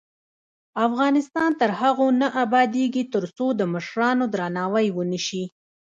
افغانستان تر هغو نه ابادیږي، ترڅو د مشرانو درناوی ونشي.